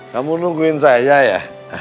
kamu nungguin saya ya